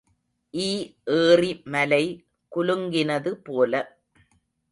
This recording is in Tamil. ஈ ஏறி மலை குலுங்கினது போல.